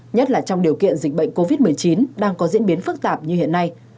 nhất là trong điều kiện dịch bệnh covid một mươi chín đang có diễn biến phức tạp như hiện nay